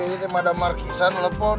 ini teman teman marissa nelfon